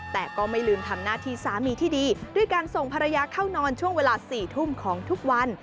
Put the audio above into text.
แต่ก็ไม่ลืมทำหน้าที่สามีที่ดีด้วยการส่งภรรยาเข้านอนช่วงเวลา๔ทุ่มของทุกวัน